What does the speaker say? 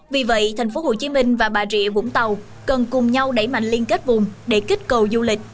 vì vậy tp hcm và bà rịa vũng tàu cần cùng nhau đẩy mạnh liên kết vùng để kích cầu du lịch